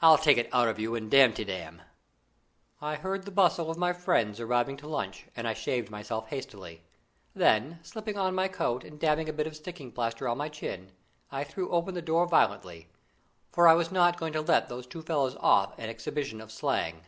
I'll take it out of you in Damtidam." I heard the bustle of my friends arriving to lunch, and I shaved myself hastily. Then slipping on my coat and dabbing a bit of sticking plaster on my chin, I threw open the door violently; for I was not going to let those two fellows off an exhibition of slang.